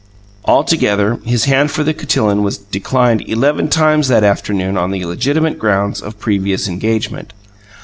Altogether his hand for the cotillon was declined eleven times that afternoon on the legitimate ground of previous engagement.